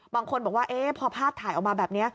บางคนบอกว่าพอภาพถ่ายออกมาแบบนี้